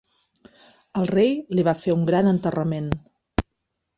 El rei li va fer un gran enterrament.